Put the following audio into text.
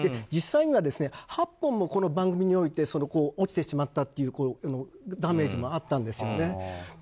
実際には８本もこの番組において落ちてしまったというダメージもあったんですよね。